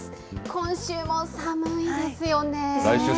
今週も寒いですよね。